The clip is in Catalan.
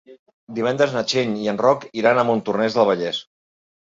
Divendres na Txell i en Roc iran a Montornès del Vallès.